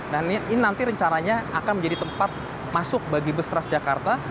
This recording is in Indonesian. dan ini nanti rencananya akan menjadi tempat masuk bagi bus transjakarta